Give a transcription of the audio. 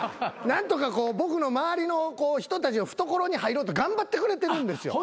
何とか僕の周りの人たちの懐に入ろうと頑張ってくれてるんですよ。